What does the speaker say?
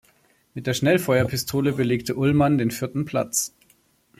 Mit der Schnellfeuerpistole belegte Ullman den vierten Platz.